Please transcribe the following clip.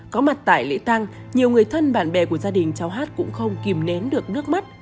có mặt tại lễ tăng nhiều người thân bạn bè của gia đình cháu hát cũng không kìm nén được nước mắt